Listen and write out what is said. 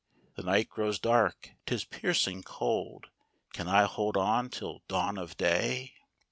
The night grows dark, 'tis piercing cold : Can I hold on till dawn of day